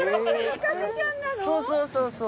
そうそうそうそう。